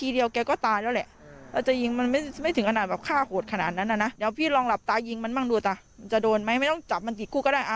เดี๋ยวพี่ลองหลับตายิงมันบ้างดูล่ะจะโดนไหมไม่ต้องจับมันอีกคู่ก็ได้